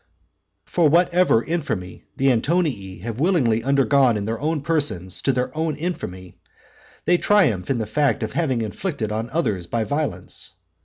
For whatever infamy the Antonii have willingly undergone in their own persons to their own infamy, they triumph in the fact of having inflicted on others by violence.